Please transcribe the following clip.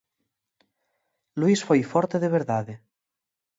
Luis foi forte de verdade.